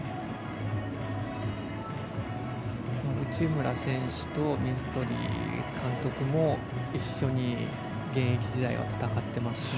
内村選手と水鳥監督も一緒に現役時代は戦っていますし。